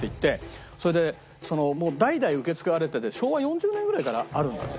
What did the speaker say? それで代々受け継がれてて昭和４０年ぐらいからあるんだって。